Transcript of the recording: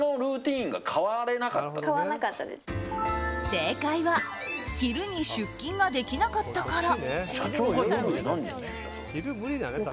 正解は昼に出勤ができなかったから。